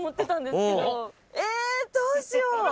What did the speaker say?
どうしよう。